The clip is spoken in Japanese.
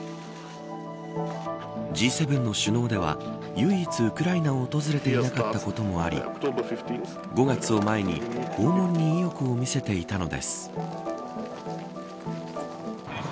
Ｇ７の首脳では唯一ウクライナを訪れていなかったこともあり５月を前に、訪問に意欲を見せていたのです。